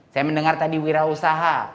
saya mendengar tadi wirausaha